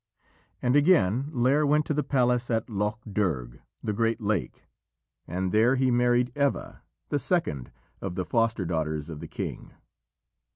And again Lîr went to the palace at Loch Derg, the Great Lake, and there he married Eva, the second of the foster daughters of the king.